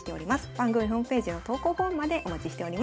番組ホームページの投稿フォームまでお待ちしております。